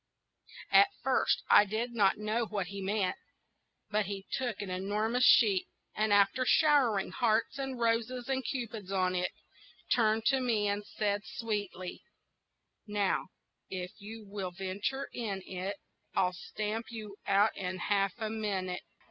At first I did not know what he meant: but he took an enormous sheet, and after showering hearts and roses and cupids upon it, turned to me, and said, sweetly,— "Now if you will venture in it, I'll stamp you out in half a minute."